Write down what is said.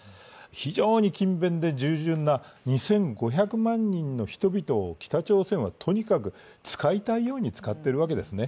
非常に勤勉で従順な２５００万人の人々を北朝鮮はとにかく使いたいように使っているわけですね。